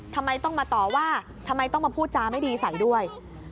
ทำไมต้องมาต่อว่าทำไมต้องมาพูดจาไม่ดีใส่ด้วย